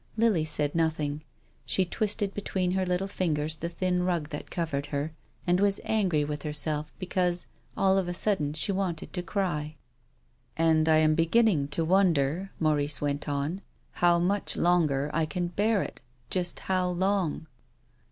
Lily said nothing. She twisted between her little fingers the thin rug that covered her, and was angry with herself because, all of a sudden, she wanted to cry. "And I am beginning to wonder," Maurice went on," how much longer I can bear it, just how long."